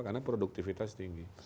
karena produktivitas tinggi